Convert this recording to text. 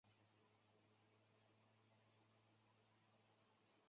商品拜物教是许多学者关切的课题。